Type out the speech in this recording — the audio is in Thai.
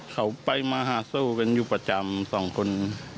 เขาไปมาหาสู้กันอยู่ประจำสองคน